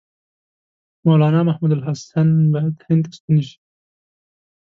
مولنا محمودالحسن باید هند ته ستون شي.